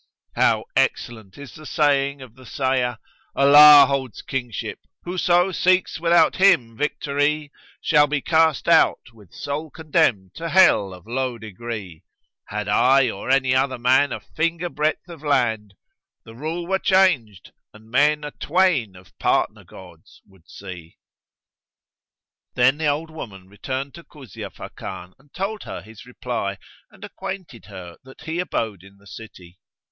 How excellent is the saying of the sayer, 'Allah holds Kingship! Whoso seeks without Him victory * Shall be cast out, with soul condemned to Hell of low degree: Had I or any other man a finger breadth of land, * The rule were changed and men a twain of partner gods would see.' " Then the old woman returned to Kuzia Fakan and told her his reply and acquainted her that he abode in the city.